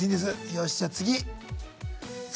よしじゃ次。